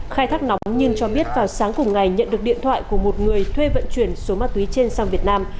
khai thác nóng nhiên cho biết vào sáng cùng ngày nhận được điện thoại của một người thuê vận chuyển số ma túy trên sang việt nam